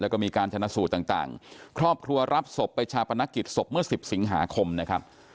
แล้วก็มีการชนะสูตรต่างครอบครัวรับศพไปชาปนกิจศพเมื่อ๑๐สิงหาคมนะครับ